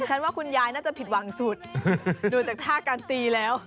ว่าคุณยายน่าจะผิดหวังสุดดูจากท่าการตีแล้ว